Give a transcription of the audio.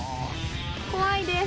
怖いです！